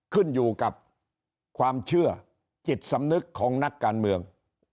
ขึ้นอยู่กับความเชื่อจิตสำนึกของนักการเมือง